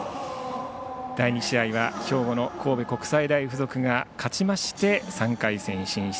第２試合は兵庫の神戸国際大付属が勝ちまして３回戦進出。